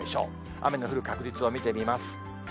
雨の降る確率を見てみます。